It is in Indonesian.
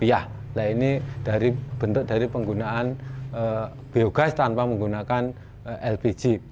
nah ini bentuk dari penggunaan biogas tanpa menggunakan lpg